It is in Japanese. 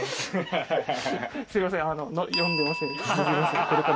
すいません。